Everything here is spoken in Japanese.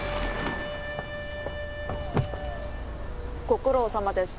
ご苦労さまです。